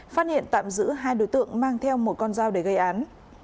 phát hiện tạm giữ hai đối tượng mang theo một con dao để gây án